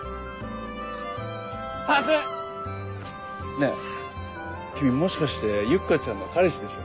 ねぇ君もしかしてユキコちゃんの彼氏でしょ？